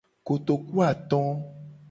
Kotokuato.